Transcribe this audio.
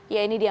ya ini dia